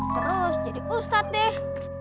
terus jadi ustaz deh